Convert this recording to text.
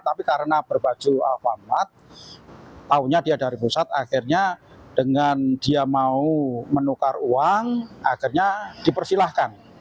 tapi karena berbaju alfamart taunya dia dari pusat akhirnya dengan dia mau menukar uang akhirnya dipersilahkan